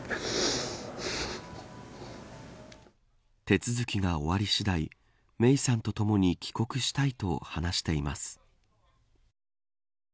手続きが終わり次第芽生さんとともに帰国したいと話しています。